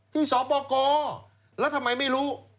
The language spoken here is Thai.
สปกรแล้วทำไมไม่รู้